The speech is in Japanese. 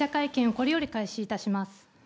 これより開始いたします。